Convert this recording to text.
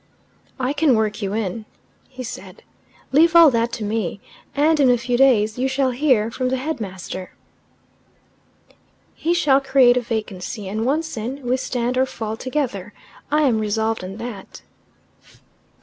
"I can work you in," he said. "Leave all that to me, and in a few days you shall hear from the headmaster. He shall create a vacancy. And once in, we stand or fall together. I am resolved on that."